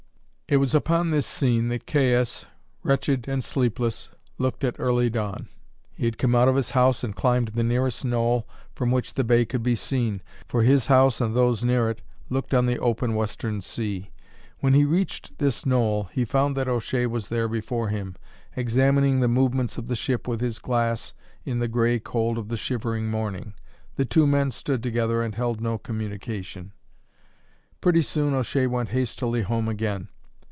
It was upon this scene that Caius, wretched and sleepless, looked at early dawn. He had come out of his house and climbed the nearest knoll from which the bay could be seen, for his house and those near it looked on the open western sea. When he reached this knoll he found that O'Shea was there before him, examining the movements of the ship with his glass in the gray cold of the shivering morning. The two men stood together and held no communication. Pretty soon O'Shea went hastily home again.